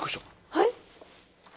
はい？